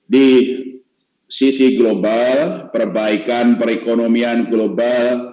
di sisi global perbaikan perekonomian global